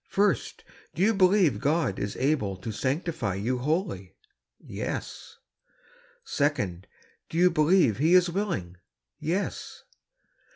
First, do you believe God is able to sanctify you wholly?" Yes." "Second. Do you believe He is willing?" "Yes."